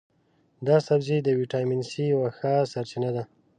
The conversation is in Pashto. دا سبزی د ویټامین سي یوه ښه سرچینه ده.